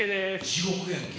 地獄やんけ。